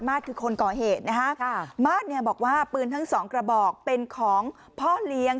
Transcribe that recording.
สคือคนก่อเหตุนะฮะค่ะมาสเนี่ยบอกว่าปืนทั้งสองกระบอกเป็นของพ่อเลี้ยง